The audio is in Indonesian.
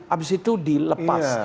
abis itu dilepas